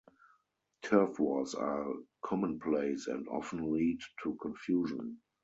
Turf wars are commonplace and often lead to confusion.